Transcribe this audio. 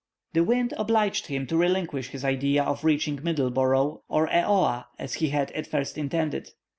The wind obliged him to relinquish his idea of reaching Middlebourgh or Eoa, as he had at first intended.